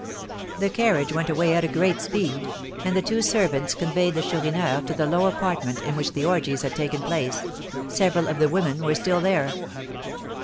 The carriage went away at a great speed, and the two servants conveyed the Chourineur to the low apartment in which the orgies had taken place; several of the women were still there.